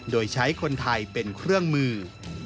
โดยใช้คนไทยเป็นเครื่องมือ